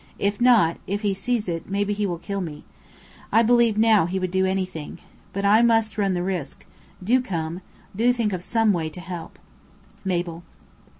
If not if he sees it, maybe he will kill me. I believe now he would do anything. But I must run the risk. Do come. Do think of some way to help. "MABEL.